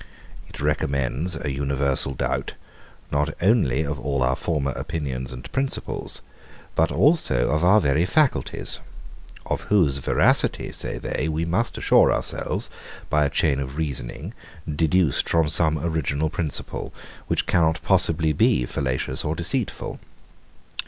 It recommends an universal doubt, not only of all our former opinions and principles, but also of our very faculties; of whose veracity, say they, we must assure ourselves, by a chain of reasoning, deduced from some original principle, which cannot possibly be fallacious or deceitful.